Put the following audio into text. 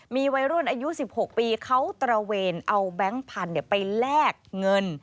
มีวัยรุ่นอายุ๑๖ปีเขาตระเวนเอาแบงค์พันธุ์ไปแลกเงิน